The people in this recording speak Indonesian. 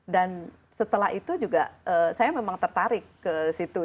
dan setelah itu juga saya memang tertarik ke situ